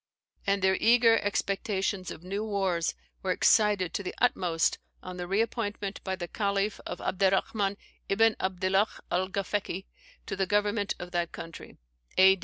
And their eager expectations of new wars were excited to the utmost on the re appointment by the Caliph of Abderrahman Ibn Abdillah Alghafeki to the government of that country, A.